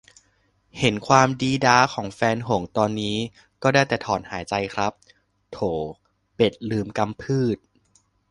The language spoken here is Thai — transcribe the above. เห็นความดี๊ด๊าของแฟนหงส์ตอนนี้ ก็ได้แต่ถอนหายใจครับ "โถ เป็ดลืมกำพืด"